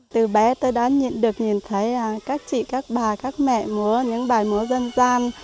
từ bé tôi đã được nhìn thấy các chị các bà các mẹ múa những bài múa dân gian